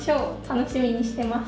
楽しみにしてます。